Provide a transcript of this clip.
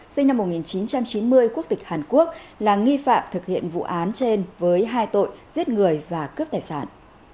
sinh năm một nghìn chín trăm chín mươi quốc tịch hàn quốc là nghi phạm thực hiện vụ án trên với hai tội giết người và cướp tài sản